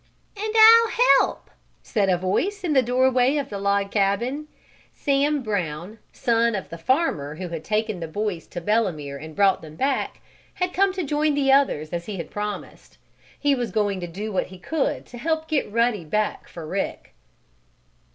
"And I'll help," said a voice in the door way of the log cabin. Sam Brown, son of the farmer who had taken the boys to Belemere and brought them back, had come to join the others as he had promised. He was going to do what he could to help get Ruddy back for Rick.